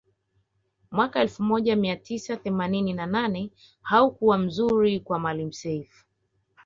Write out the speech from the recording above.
Mwaka elfu moja mia tisa themanini na nane haukuwa mzuri kwa Maalim Seif